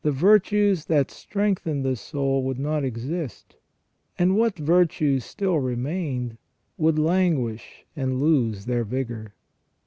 virtues that strengthen the soul would not exist, and what virtues still remained would languish and lose their vigour.